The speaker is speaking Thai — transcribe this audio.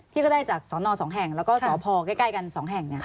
ก็ได้จากสน๒แห่งแล้วก็สพใกล้กัน๒แห่ง